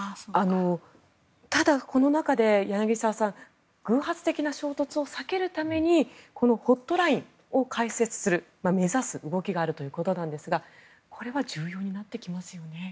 ただ、この中で柳澤さん偶発的な衝突を避けるためにホットラインを開設する、目指す動きがあるということですがこれは重要になってきますよね？